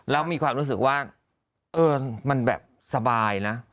แล้วมีความรู้สึกว่าเออมันแบบสบายนะ